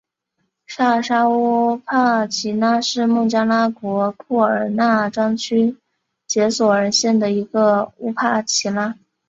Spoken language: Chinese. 沙尔沙乌帕齐拉是孟加拉国库尔纳专区杰索尔县的一个乌帕齐拉。